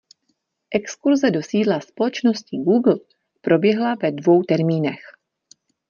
Exkurze do sídla společnosti Google proběhla ve dvou termínech.